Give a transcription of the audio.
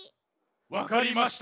わかりました。